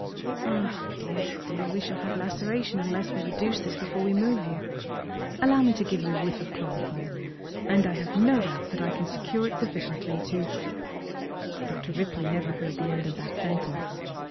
Ah, dear, dear, we shall have laceration unless we reduce this before we move you. Allow me to give you a whiff of chloroform, and I have no doubt that I can secure it sufficiently to " Dr. Ripley never heard the end of that sentence.